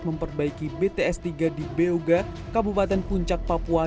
memperbaiki bts tiga di beoga kabupaten puncak papua